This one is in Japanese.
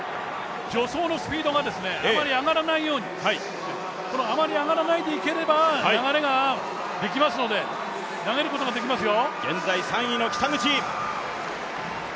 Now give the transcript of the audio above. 助走のスピードがあまり上がらないように、このあまり上がらないでいけば流れができますので、いけますよ。